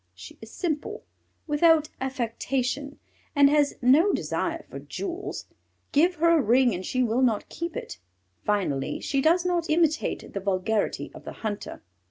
She is simple, without affectation, and has no desire for jewels. Give her a ring and she will not keep it. Finally, she does not imitate the vulgarity of the hunter.